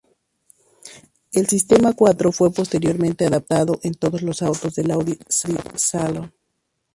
El sistema Quattro fue posteriormente adoptado en todos los autos de Audi saloon.